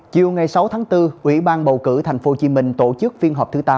chiều ngày sáu tháng bốn ủy ban bầu cử tp hcm tổ chức phiên họp thứ tám